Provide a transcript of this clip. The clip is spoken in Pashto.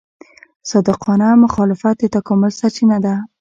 صادقانه مخالفت د تکامل سرچینه ده.